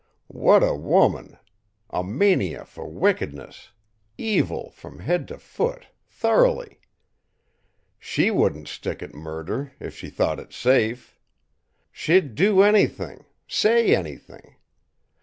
"What a woman! A mania for wickedness evil from head to foot, thoroughly. She wouldn't stick at murder if she thought it safe. She'd do anything, say anything.